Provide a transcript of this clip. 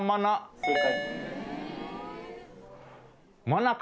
正解。